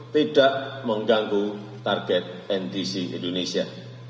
tidak mengganggu target ndc indonesia